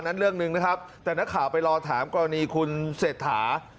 เรื่องหนึ่งนะครับแต่นักข่าวไปรอถามกรณีคุณเศรษฐา